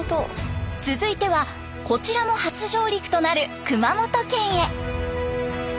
続いてはこちらも初上陸となる熊本県へ。